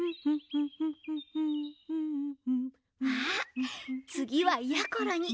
あつぎはやころに。